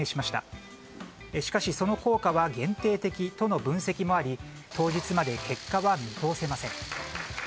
しかしその効果は限定的との分析もあり当日まで結果は見通せません。